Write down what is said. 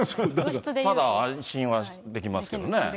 ただ、安心はできますけどね。